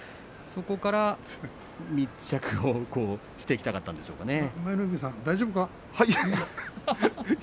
そこから密着をしていきたかったんですかね。